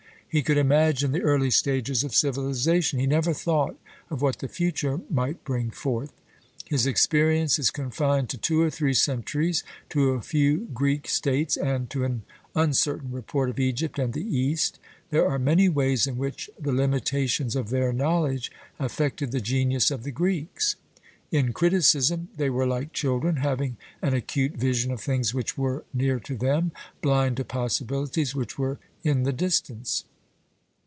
He could imagine the early stages of civilization; he never thought of what the future might bring forth. His experience is confined to two or three centuries, to a few Greek states, and to an uncertain report of Egypt and the East. There are many ways in which the limitations of their knowledge affected the genius of the Greeks. In criticism they were like children, having an acute vision of things which were near to them, blind to possibilities which were in the distance.